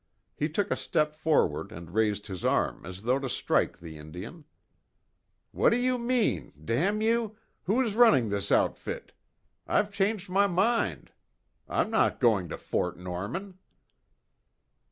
He took a step forward and raised his arm as though to strike the Indian: "What do you mean? Damn you! Who is running this outfit? I've changed my mind. I'm not going to Fort Norman."